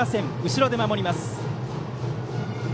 後ろで守ります。